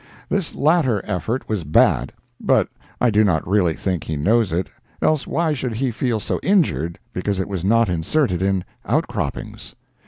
This latter effort was bad, but I do not really think he knows it, else why should he feel so injured because it was not inserted in "Outcroppings"?